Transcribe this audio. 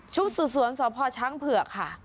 ชุดสุดสวมสพช้างเผือกค่ะ